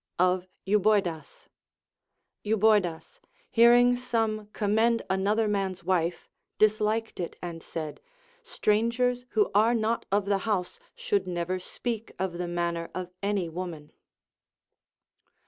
Of Euboidas. Euboidas, hearing some commend another man's wife, disliked it and said, Strangers who are not of the house should never speak of the manner of any woman.